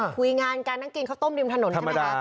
คุยงานการนั่งกินข้าวต้มริมถนนนะครับ